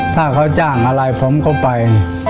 ถ้าเขาจ้างอะไรพร้อมเข้าไป